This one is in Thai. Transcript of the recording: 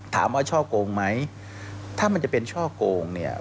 ช่อโกงไหมถ้ามันจะเป็นช่อโกงเนี่ย